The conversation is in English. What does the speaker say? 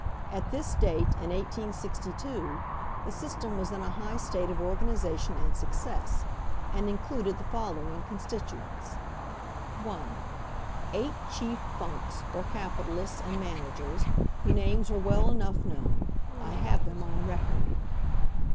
At this date, in 1862, the system was in a high state of organization and success, and included the following constituents: 1. Eight chief Funks, or capitalists, and managers, whose names are well enough known. I have them on record.